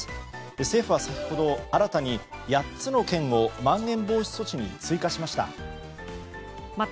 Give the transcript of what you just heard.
政府は先ほど新たに８つの県をまん延防止措置に追加しました。